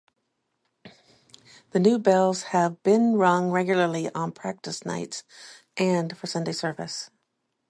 The new bells have been rung regularly on practice nights and for Sunday service.